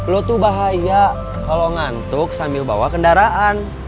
lo tuh bahaya kalau ngantuk sambil bawa kendaraan